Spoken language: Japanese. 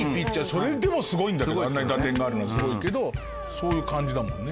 それでもすごいんだけどあんなに打点があるのはすごいけどそういう感じだもんね。